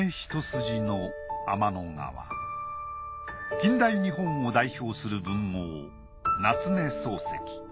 近代日本を代表する文豪夏目漱石。